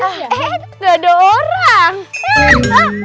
eh gak ada orang